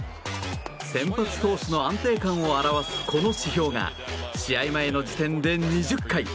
先発投手の安定感を表すこの指標が試合前の時点で２０回。